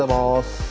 はい。